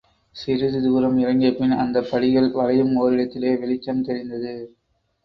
சிறிது தூரம் இறங்கிய பின், அந்த படிகள் வளையும் ஓரிடத்திலே, வெளிச்சம் தெரிந்தது.